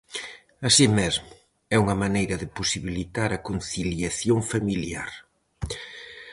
Así mesmo, é unha maneira de posibilitar a conciliación familiar.